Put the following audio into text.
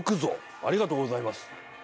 ありがとうございます。